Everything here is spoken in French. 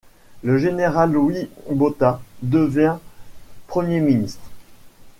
Le général Louis Botha devient premier ministre.